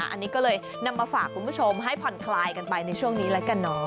อันนี้ก็เลยนำมาฝากคุณผู้ชมให้ผ่อนคลายกันไปในช่วงนี้แล้วกันเนาะ